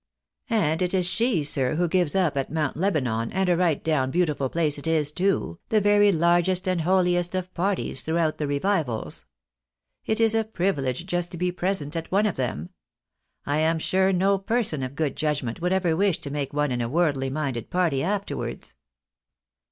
" And it is she, sir, who gives up at Mount Lebanon (and a right down beautiful place it is, too) the very largest and holiest of parties throughout the Revivals. It is a privilege just to be' present at one of them. I am sure no person of good judg ment would ever wish to make one in a worldly minded party afterwards."